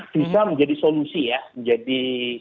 bisa menjadi solusi ya menjadi